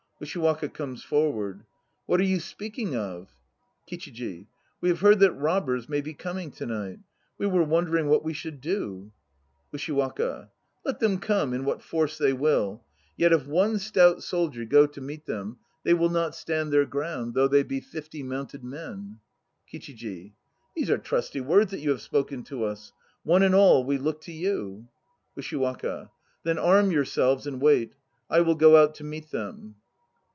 USHIWAKA (comes forward). What are you speaking of? KICHIJI. We have heard that robbers may be coming to night. We were won dering what we should do. ... USHIWAKA. Let them come in what force they will; yet if one stout soldier go 1 I.e. into power. EBOSHIORI 77 to meet them, they will not stand their ground, though they be fifty mounted men. KICHIJI. These are trusty words that you have spoken to us. One and all we look to you. ... USHIWAKA. Then arm yourselves and wait. I will go out to meet them.